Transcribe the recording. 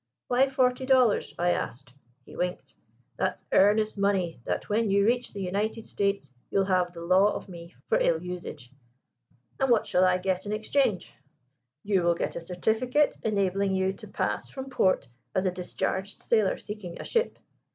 'Why forty dollars?' I asked. He winked. 'That's earnest money that when you reach the United States you'll have the law of me for ill usage.' 'And what shall I get in exchange?' 'You will get a certificate enabling you to pass from port as a discharged sailor seeking a ship.'